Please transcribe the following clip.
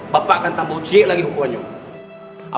bapak akan tambah uji lagi hukumannya